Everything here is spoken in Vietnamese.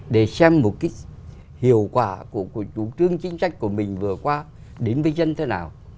để xem một cái hiệu quả của chủ trương chính sách của mình vừa qua đến với dân thế nào